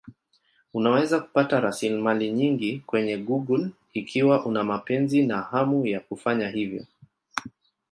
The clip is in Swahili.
Unaweza kupata rasilimali nyingi kwenye Google ikiwa una mapenzi na hamu ya kufanya hivyo.